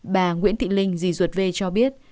bà nguyễn thị linh dì ruột v cho biết